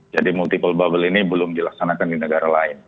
jadi multiple bubble ini belum dilaksanakan di negara lain